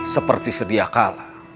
seperti sedia kala